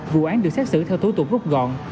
vụ án được xét xử theo thủ tục rút gọn